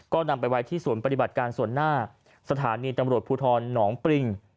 ก็นำไปไว้ที่ศูนย์ปฏิบัติการส่วนหน้าสถานีตำรวจภูทรหนองปริง